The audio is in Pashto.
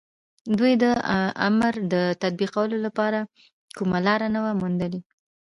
دوی د امر د تطبيقولو لپاره کومه لاره نه وه موندلې.